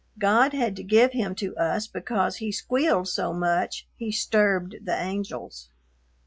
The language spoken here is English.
God had to give him to us because he squealed so much he sturbed the angels.